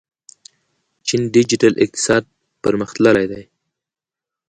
چین ډیجیټل اقتصاد پرمختللی دی.